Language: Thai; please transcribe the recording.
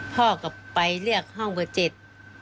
พ่อก็ไปเรียกห้องเบอร์เจ็ด